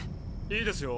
いいですよ。